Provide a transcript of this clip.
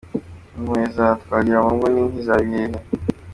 Impuhwe za Twagiramungu ni nk’iza bihehe